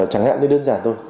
chẳng hạn cái đơn giản thôi